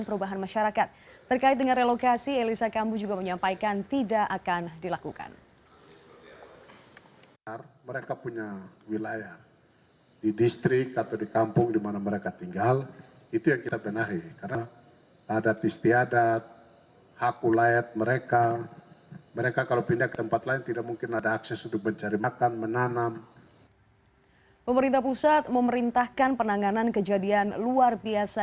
pemerintah pusat memerintahkan penanganan kejadian luar biasa